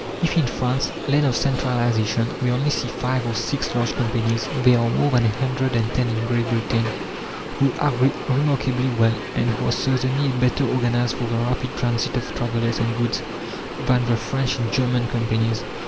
If in France, land of centralization, we only see five or six large companies, there are more than a hundred and ten in Great Britain who agree remarkably well, and who are certainly better organized for the rapid transit of travellers and goods than the French and German companies.